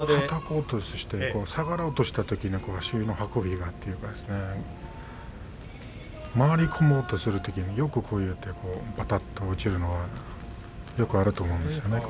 こう、はたこうとして下がろうとしたときの足の運びがといいますかね回り込もうとするときによくこうやってばたっと落ちるのがよくあると思うんですよね。